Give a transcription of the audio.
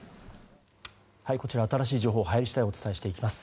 こちら新しい情報が入り次第お伝えしていきます。